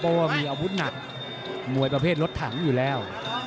เพราะว่ามีอาวุธหนักมวยประเภทรถถังอยู่แล้ว